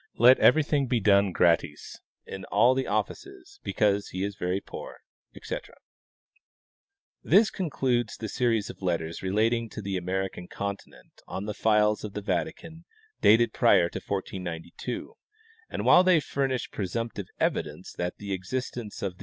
Let everything be done gratis in all the offices, because he is very poor, etc. This concludes the series of letters relating to the American continent on the files of the Vatican dated prior to 1492, and while they furnish presumptive evidence that the existence of Evidevce of Land wed of Greenland.